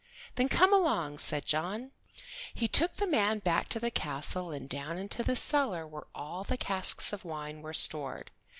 "Then, come along," said John. He took the man back to the castle and down into the cellar where all the casks of wine were stored.